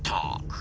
く！